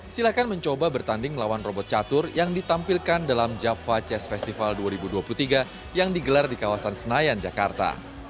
silahkan mencoba bertanding melawan robot catur yang ditampilkan dalam java jazz festival dua ribu dua puluh tiga yang digelar di kawasan senayan jakarta